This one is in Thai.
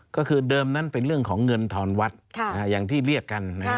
ก็คือเดิมนั้นเป็นเรื่องของเงินทอนวัดอย่างที่เรียกกัน